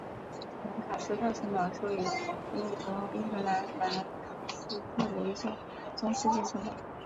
兰卡斯特城堡是位于英国英格兰兰卡斯特的一座中世纪城堡。